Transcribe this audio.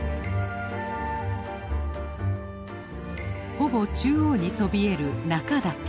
ほぼ中央にそびえる中岳。